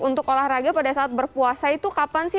untuk olahraga pada saat berpuasa itu kapan sih